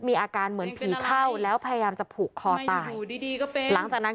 มีอาการเหมือนผีเข้าแล้วพยายามจะผูกคอตาย